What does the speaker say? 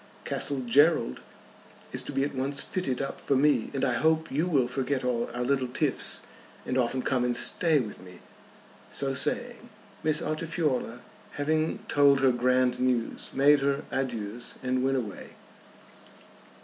Castle Gerald is to be at once fitted up for me, and I hope you will forget all our little tiffs, and often come and stay with me." So saying, Miss Altifiorla, having told her grand news, made her adieus and went away.